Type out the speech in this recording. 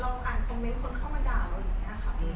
อ่านคอมเมนต์คนเข้ามาด่าเราอย่างนี้ค่ะ